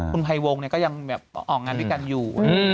คุณภัยวงก็ยังออกงานด้วยกันอยู่